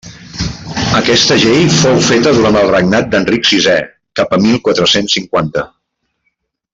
Aquesta llei fou feta durant el regnat d'Enric sisè, cap a mil quatre-cents cinquanta.